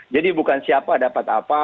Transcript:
bukan siapa dapat apa